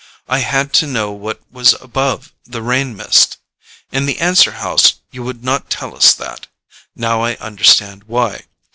I had to know what was above the rain mist. In the answer house you would not tell us that. Now I understand why.